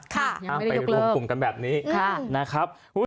ค่ะยังไม่ได้ยกเลิกค่ะนะครับ